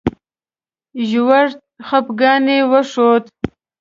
ژور خپګان یې وښود.